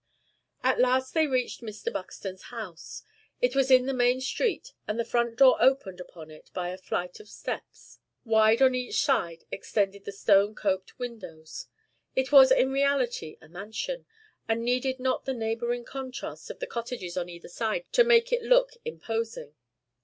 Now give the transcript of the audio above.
At last they reached Mr. Buxton's house. It was in the main street, and the front door opened upon it by a flight of steps. Wide on each side extended the stone coped windows. It was in reality a mansion, and needed not the neighboring contrast of the cottages on either side to make it look imposing.